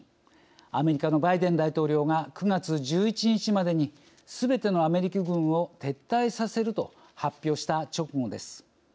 アメリカのバイデン大統領が９月１１日までにすべてのアメリカ軍を撤退させると発表した直後です。